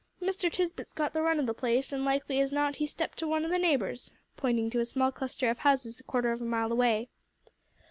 "Mr. Tisbett's got the run o' the place, an' likely as not, he's stepped to one o' the neighbors," pointing to a small cluster of houses a quarter of a mile away.